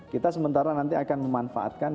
kita sementara nanti akan memanfaatkan